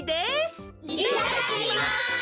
いただきます！